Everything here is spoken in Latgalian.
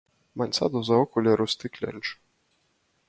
Maņ saduza okuleru stikleņš!